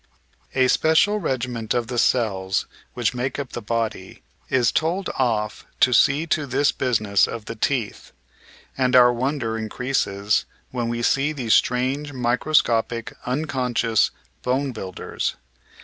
A special regiment of the cells which make up the body is told off to see to this business of the teeth, and our wonder in creases when we see these strange microscopic, unconscious "bone builders."